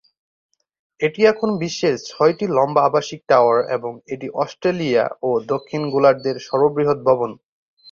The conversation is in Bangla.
এটি এখন বিশ্বের ছয়টি লম্বা আবাসিক টাওয়ার এবং এটি অস্ট্রেলিয়া ও দক্ষিণ গোলার্ধের সর্ববৃহৎ ভবন।